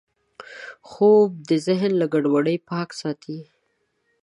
خوب د ذهن له ګډوډۍ پاک ساتي